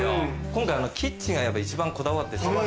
今回キッチンが一番こだわってて。